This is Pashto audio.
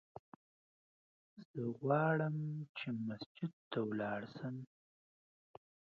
زه غواړم چې مسجد ته ولاړ سم!